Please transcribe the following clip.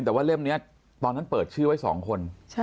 แต่ว่าเล่มนี้ตอนนั้นเปิดชื่อไว้๒คน